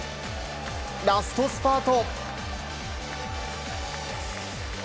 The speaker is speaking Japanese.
ラストスパート。